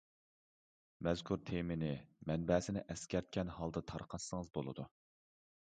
مەزكۇر تېمىنى مەنبەسىنى ئەسكەرتكەن ھالدا تارقاتسىڭىز بولىدۇ.